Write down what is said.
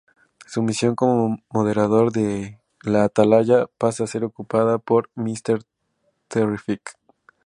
Su misión como moderador de la Atalaya pasa a ser ocupada por Mister Terrific.